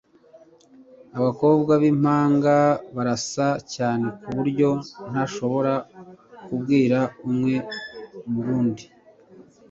abakobwa bimpanga barasa cyane kuburyo ntashobora kubwira umwe murundi